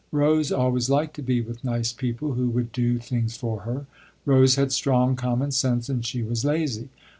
Rose always liked to be with nice people who would do things for her. Rose had strong common sense and she was lazy.